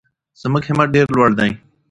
زموږ همت ډېر لوړ دی.